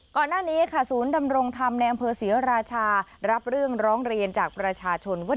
ก่อนหน้านี้ค่ะศูนย์ดำรงธรรมในอำเภอศรีราชารับเรื่องร้องเรียนจากประชาชนว่า